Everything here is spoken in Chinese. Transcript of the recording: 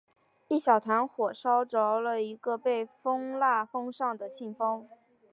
一小团火烧着了一个被封蜡封上的信封。